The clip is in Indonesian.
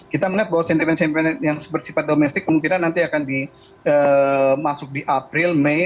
kita melihat bahwa sentimen sentimen yang bersifat domestik kemungkinan nanti akan dimasuk di april mei